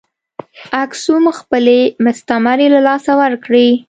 اکسوم خپلې مستعمرې له لاسه ورکړې.